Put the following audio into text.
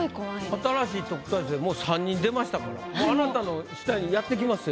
新しい特待生もう３人出ましたからあなたの下にやってきますよ